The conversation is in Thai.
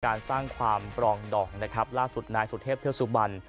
การสร้างความปลองดอกล่าสุดนายสุธเทพเทียวสุบัน